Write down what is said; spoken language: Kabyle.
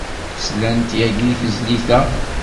Slant yagi i tezlit-a.